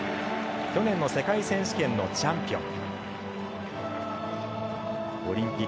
去年の世界選手権のチャンピオン。